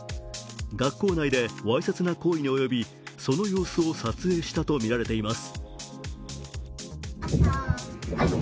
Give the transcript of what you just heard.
学校内でわいせつな行為に及びその様子を撮影したとみられています。